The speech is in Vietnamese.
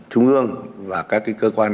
trung ương và các cơ quan